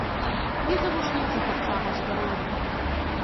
І завушніцы таксама з пярлінкамі.